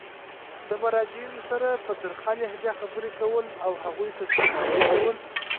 د مراجعینو سره په ترخه لهجه خبري کول او هغوی ته سپکاوی کول.